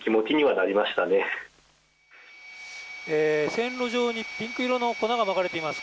線路上にピンク色の粉がまかれています。